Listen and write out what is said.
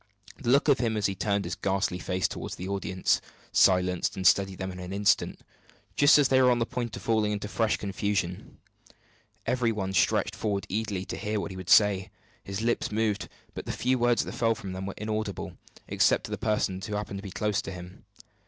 The look of him, as he turned his ghastly face toward the audience, silenced and steadied them in an instant, just as they were on the point of falling into fresh confusion. Every one stretched forward eagerly to hear what he would say. His lips moved; but the few words that fell from them were inaudible, except to the persons who happened to be close by him.